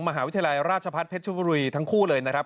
มหาวิทยาลัยราชพัฒนเพชรชบุรีทั้งคู่เลยนะครับ